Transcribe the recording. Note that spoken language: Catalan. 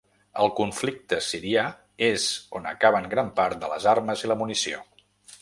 El conflicte sirià és on acaben gran part de les armes i la munició.